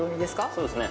そうですね。